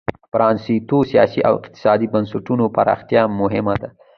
د پرانیستو سیاسي او اقتصادي بنسټونو پراختیا مهمه ده.